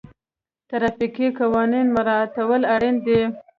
ټرافیکي قوانین مراعتول اړین دي.